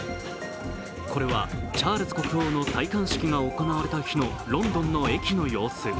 これは、チャールズ国王の戴冠式が行われた日のロンドンの駅の様子。